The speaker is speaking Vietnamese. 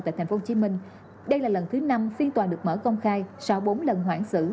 tại tp hcm đây là lần thứ năm phiên tòa được mở công khai sau bốn lần hoãn xử